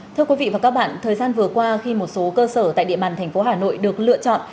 thưa quý vị và các bạn thời gian vừa qua khi một số cơ sở tại địa bàn thành phố hà nội được lựa chọn